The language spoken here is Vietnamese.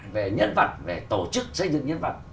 về nhân vật về tổ chức xây dựng nhân vật